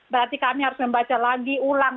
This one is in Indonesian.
berarti kami harus membaca lagi ulang